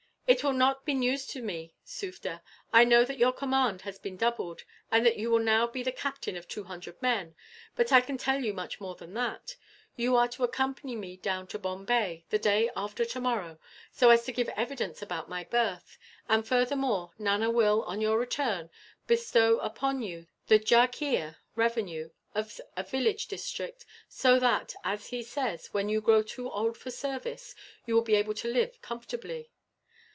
"It will not be news to me, Sufder. I know that your command has been doubled, and that you will now be the captain of two hundred men; but I can tell you much more than that. You are to accompany me down to Bombay, the day after tomorrow, so as to give evidence about my birth; and furthermore, Nana will, on your return, bestow upon you the jagheer [revenue] of a village district; so that, as he says, when you grow too old for service, you will be able to live comfortably."